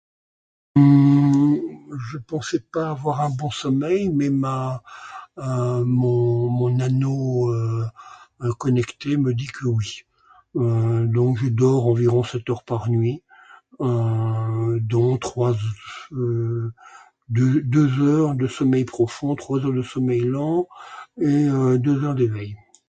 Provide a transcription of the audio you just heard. je ne pensais pas avoir un bon sommeil mais quand même